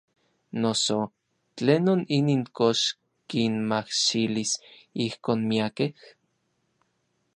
Noso ¿tlenon inin kox kinmajxilis ijkon miakej?